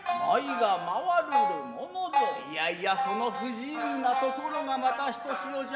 イヤイヤその不自由なところがまたひとしおじゃ。